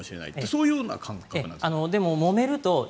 そういう感覚なんですか？